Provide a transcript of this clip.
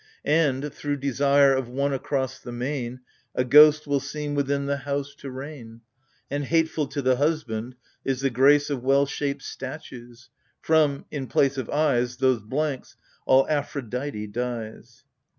And, through desire of one across the main, A ghost will seem within the house to reign: And hateful to the husband is the grace Of well shaped statues : from — in place of eyes. Those blanks — all Aphrodite' dies.